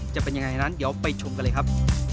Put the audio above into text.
จะเป็นยังไงนั้นเดี๋ยวไปชมกันเลยครับ